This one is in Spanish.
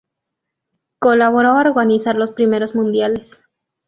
Colaboró a organizar los primeros mundiales.